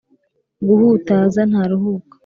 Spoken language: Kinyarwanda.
guhutaza ntaruhuka